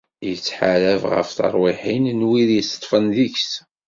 Ittḥarab ɣef terwiḥin n wid itteṭṭfen deg-s.